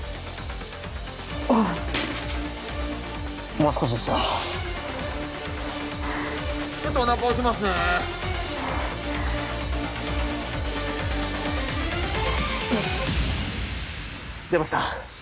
もう少しですよちょっとおなか押しますね出ました